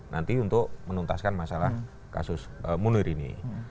nanti untuk menuntaskan masalah kasus munir ini